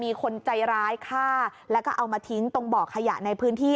มีคนใจร้ายฆ่าแล้วก็เอามาทิ้งตรงบ่อขยะในพื้นที่